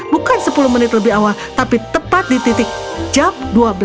bukan sepuluh menit lebih awal tapi tepat di titik jam dua belas